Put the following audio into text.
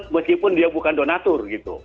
meskipun dia bukan donatur gitu